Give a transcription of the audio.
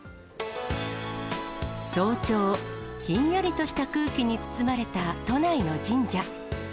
早朝、ひんやりとした空気に包まれた都内の神社。